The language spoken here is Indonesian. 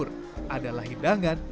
ketika berubah kata